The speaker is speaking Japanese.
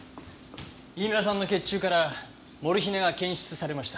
飯村さんの血中からモルヒネが検出されました。